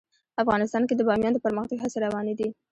افغانستان کې د بامیان د پرمختګ هڅې روانې دي.